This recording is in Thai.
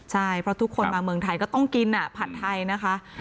ใช่เพราะทุกคนมาเมืองไทยก็ต้องกินผัดไทยนะคะ